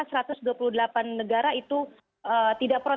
karena satu ratus dua puluh delapan negara itu tidak protokol